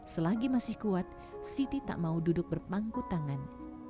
selagi masih kuat siti tak mau duduk berpangku tangan